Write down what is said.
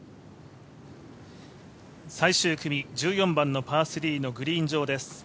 最終組、１４番のグリーン上です。